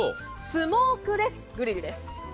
スモークレスグリルです。